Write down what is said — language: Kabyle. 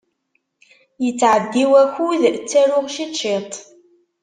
Yettɛeddi wakud, ttaruɣ ciṭ ciṭ.